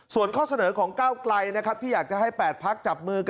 ส่วนข้อเสนอของเก้าไกลที่อยากจะให้๘พักจับมือ